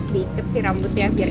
diikat sih rambutnya biar